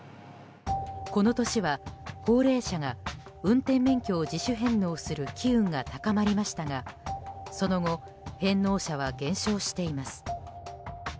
この年は、高齢者が運転免許を自主返納する機運が高まりましたが、その後返納者は減少しています。